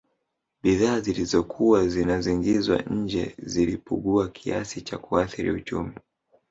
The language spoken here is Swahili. Bidhaa zilizokuwa zinazingizwa nje zilipugua kiasi cha kuathiri uchumi